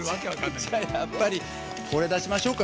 じゃあやっぱりこれだしましょうか。